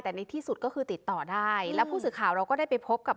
แต่ในที่สุดก็คือติดต่อได้แล้วผู้สื่อข่าวเราก็ได้ไปพบกับ